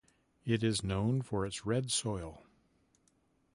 It is known for its red soil.